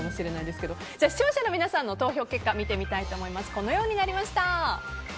視聴者の皆さんの投票結果見てみたいと思います。